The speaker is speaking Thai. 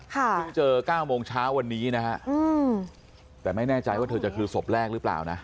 เพิ่งเจอ๙โมงเช้าวันนี้นะฮะแต่ไม่แน่ใจว่าเธอจะคือศพแรกหรือเปล่านะ